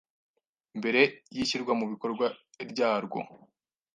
mbere y’ishyirwa mu bikorwa ryarwo.